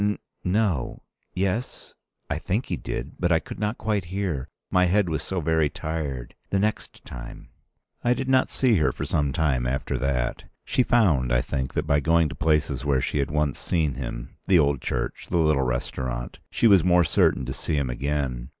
"N no. Yes. I think he did, but I could not quite hear. My head was so very tired. The next time—" I did not see her for some time after that. She found, I think, that by going to places where she had once seen him—the old church, the little restaurant—she was more certain to see him again.